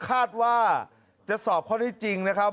คาดว่าจะสอบข้อได้จริงนะครับ